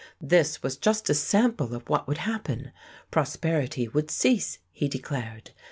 This was just a sample of what would happen. Prosperity would cease, he declared.